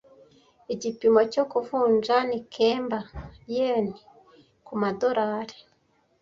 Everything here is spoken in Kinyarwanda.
Igipimo cyo kuvunja ni kemba yen ku madorari.